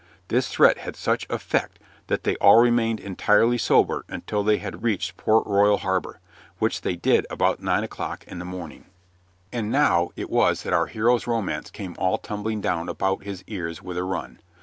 This threat had such effect that they all remained entirely sober until they had reached Port Royal Harbor, which they did about nine o'clock in the morning. And now it was that our hero's romance came all tumbling down about his ears with a run.